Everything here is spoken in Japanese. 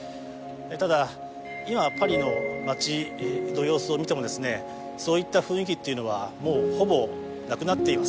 ただ今パリの街の様子を見てもですねそういった雰囲気っていうのはもうほぼなくなっています